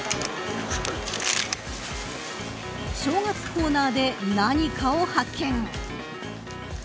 正月コーナーで何かを発見。